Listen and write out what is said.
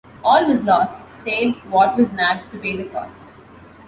All was lost, save what was nabbed to pay the cost.